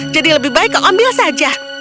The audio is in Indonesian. jadi lebih baik kau ambil saja